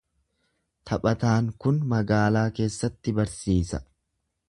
Taphataan kun magaalaa keessatti barsiisa.